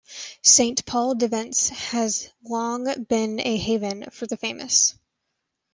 Saint-Paul-de-Vence has long been a haven of the famous.